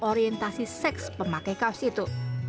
orientasi seks pemakai kaos itu